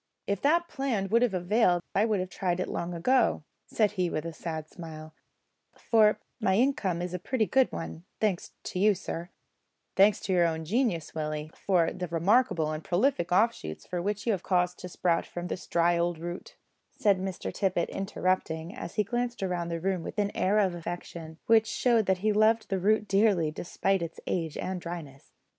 "If that plan would have availed I would have tried it long ago," said he, with a sad smile, "for my income is a pretty good one, thanks to you, sir " "Thanks to your own genius, Willie, for the remarkable and prolific offshoots which you have caused to sprout from this dry old root," said Mr Tippet, interrupting, as he glanced round the room with an air of affection, which showed that he loved the root dearly, despite its age and dryness.